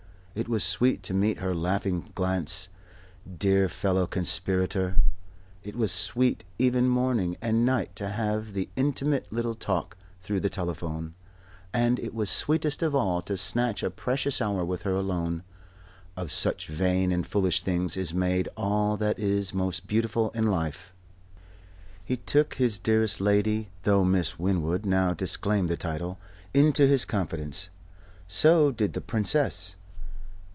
It was sweet to meet her laughing glance, dear fellow conspirator. It was sweet every morning and night to have the intimate little talk through the telephone. And it was sweetest of all to snatch a precious hour with her alone. Of such vain and foolish things is made all that is most beautiful in life. He took his dearest lady though Miss Winwood, now disclaimed the title into his confidence. So did the Princess.